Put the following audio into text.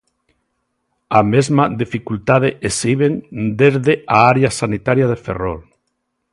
A mesma dificultade exhiben desde a área sanitaria de Ferrol.